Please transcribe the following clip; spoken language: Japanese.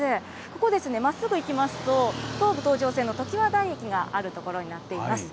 ここ、まっすぐ行きますと、東武東上線のときわ台駅がある所になっています。